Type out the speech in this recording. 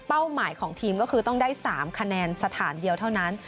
หมายของทีมก็คือต้องได้๓คะแนนสถานเดียวเท่านั้น